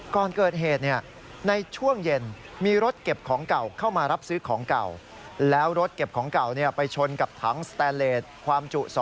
ก่อนเกิดเหตุในช่วงเย็นมีรถเก็บของเก่าเข้ามารับซื้อของเก่า